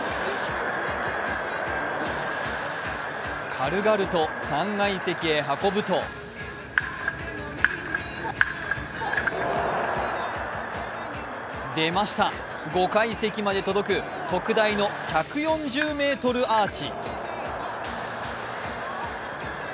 軽々と３階席へ運ぶと出ました、５階席まで届く特大の１４０ｍアーチ。